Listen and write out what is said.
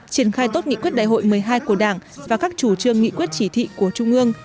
triển khai tốt nghị quyết đại hội một mươi hai của đảng và các chủ trương nghị quyết chỉ thị của trung ương